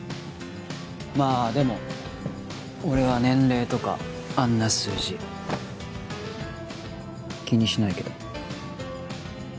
まあでも俺は年齢とかあんな数字気にしないけど。